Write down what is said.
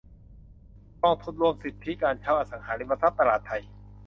กองทุนรวมสิทธิการเช่าอสังหาริมทรัพย์ตลาดไท